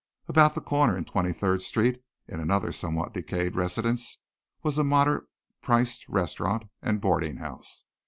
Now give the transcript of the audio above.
About the corner in Twenty third Street, in another somewhat decayed residence, was a moderate priced restaurant and boarding house.